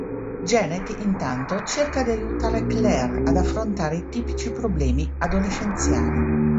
Janet, intanto, cerca di aiutare Claire ad affrontare i tipici problemi adolescenziali.